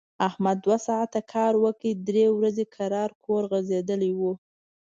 احمد دوه ساعت کار وکړ، درې ورځي کرار کور غځېدلی و.